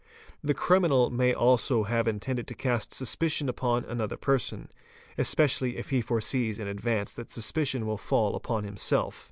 The criminal may also have intended to cast suspicion upon another person, especially if he foresees in advance that suspicion will fall upon himself.